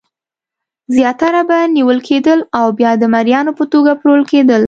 زیاتره به نیول کېدل او بیا د مریانو په توګه پلورل کېدل.